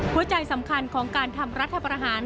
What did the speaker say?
หัวใจสำคัญของการทำรัฐประหาร